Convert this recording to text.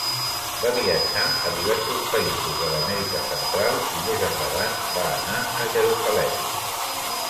Va viatjar a diversos països de l'Amèrica Central i més endavant va anar a Jerusalem.